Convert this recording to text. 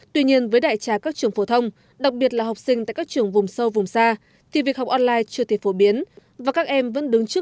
tuy nhiên với đại trà các trường phổ thông đặc biệt là học sinh tại các trường vùng sâu vùng xa